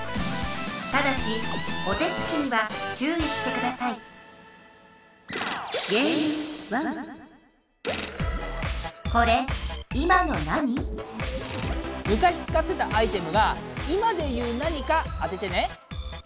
ただしお手つきにはちゅういしてくださいむかしつかってたアイテムが今でいう何か当ててね。